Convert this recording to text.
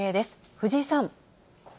藤井さん。